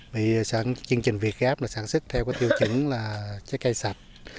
vì sản xuất chương trình việt gáp là sản xuất theo cái tiêu chuẩn là trái cây sạch